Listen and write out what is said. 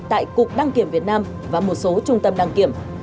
tại cục đăng kiểm việt nam và một số trung tâm đăng kiểm